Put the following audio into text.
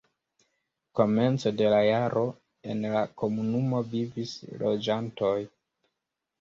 Komence de la jaro en la komunumo vivis loĝantoj.